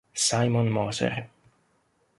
Simon Moser